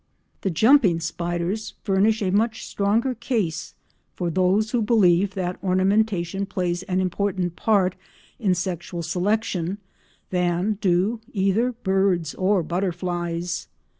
The jumping spiders furnish a much stronger case for those who believe that ornamentation plays an important part in sexual selection than do either birds or butterflies.